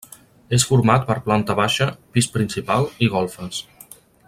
És format per planta baixa, pis principal i golfes.